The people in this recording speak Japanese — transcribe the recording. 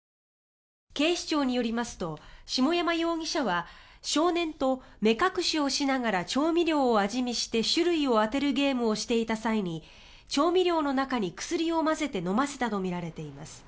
警視庁によりますと下山容疑者は少年と目隠しをしながら調味料を味見して種類を当てるゲームをしていた際に調味料の中に薬を混ぜて飲ませたとみられています。